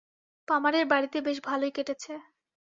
পামারের বাড়ীতে বেশ ভালই কেটেছে।